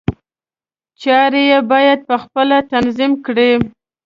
چارې یې باید په خپله تنظیم کړي.